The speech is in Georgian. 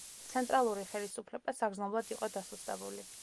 ცენტრალური ხელისუფლება საგრძნობლად იყო დასუსტებული.